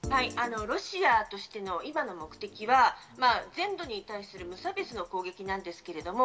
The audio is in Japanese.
ロシアとしての今の目的は全土に対する無差別の攻撃なんですけれども、